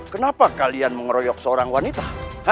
kenapa kalian mengeroyok seorang wanita